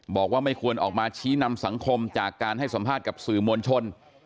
บอกว่าไม่ควรออกมาชี้นำสังคมจากการให้สัมภาษณ์กับสื่อมวลชน